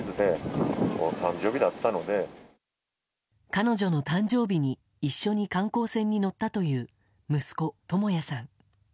彼女の誕生日に一緒に観光船に乗ったという息子・智也さん。